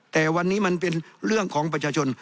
แต่วันนี้มันเป็นเรื่องของประชาชน